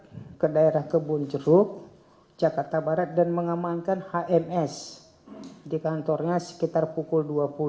tim kemudian berkerak ke daerah kebonjeruk jakarta barat dan mengamankan hms di kantornya sekitar pukul dua puluh